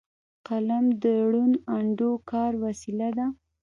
قلم د روڼ اندو کار وسیله ده